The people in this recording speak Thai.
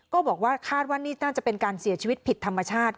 ก็บอกว่าคาดว่านี่น่าจะเป็นการเสียชีวิตผิดธรรมชาติ